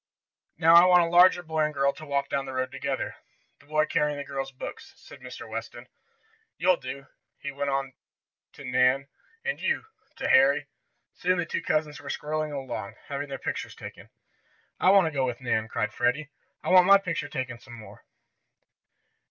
"Now I want a larger boy and girl to walk down the road together, the boy carrying the girl's books," said Mr. Weston. "You'll do," he went on to Nan, "and you," to Harry. Soon the two cousins were strolling along, having their pictures taken. "I want to go with Nan!" cried Freddie "I want my picture taken some more."